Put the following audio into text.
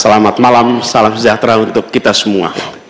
selamat malam salam sejahtera untuk kita semua